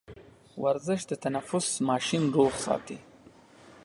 ورزش د تنفس ماشين روغ ساتي.